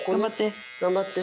頑張って。